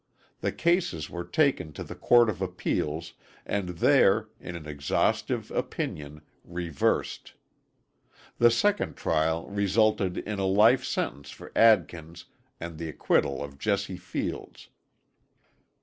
The cases were taken to the Court of Appeals and there, in an exhaustive opinion, reversed. The second trial resulted in a life sentence for Adkins and the acquittal of Jesse Fields.